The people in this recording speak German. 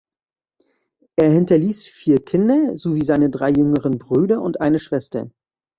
Er hinterließ vier Kinder sowie seine drei jüngeren Brüder und eine Schwester.